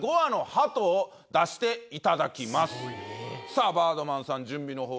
さぁバードマンさん。